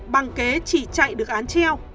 bằng kế chỉ chạy được án treo